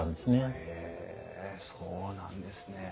へえそうなんですね。